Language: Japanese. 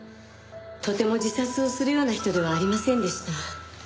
とても自殺をするような人ではありませんでした。